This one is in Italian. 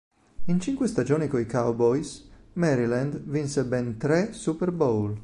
In cinque stagioni coi Cowboys, Maryland vinse ben tre Super Bowl.